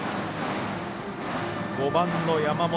５番、山本。